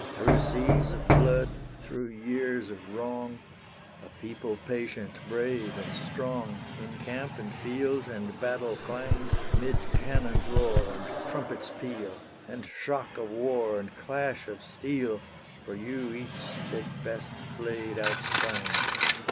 Through seas of blood, through years of wrong, A people patient brave and strong, In camp and field, and battle clang, 'Mid cannon's roar and trumpet's peal, And shock of war, and clash of steel, For you each steadfast blade out sprang!